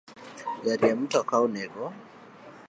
Jariemb mtoka onego